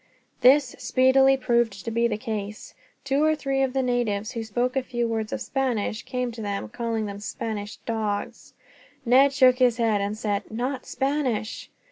This speedily proved to be the case. Two or three of the natives who spoke a few words of Spanish came to them, calling them Spanish dogs. Ned shook his head and said, "Not Spanish."